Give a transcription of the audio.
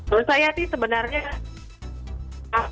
menurut saya sih sebenarnya